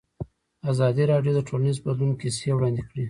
ازادي راډیو د ټولنیز بدلون کیسې وړاندې کړي.